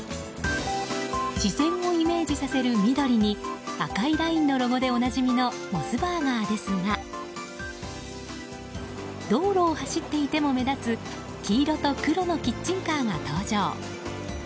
自然をイメージさせる緑に赤いラインのロゴでおなじみのモスバーガーですが道路を走っていても目立つ黄色と黒のキッチンカーが登場。